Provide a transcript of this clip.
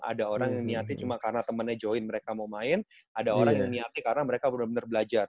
ada orang yang niati cuma karena temennya join mereka mau main ada orang yang niati karena mereka benar benar belajar